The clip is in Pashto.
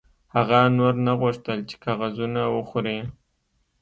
هغه نور نه غوښتل چې کاغذونه وخوري